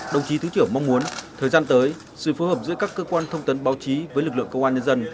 đồng chí thứ trưởng mong muốn thời gian tới sự phối hợp giữa các cơ quan thông tấn báo chí với lực lượng công an nhân dân